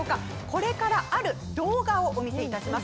これからある動画をお見せいたします。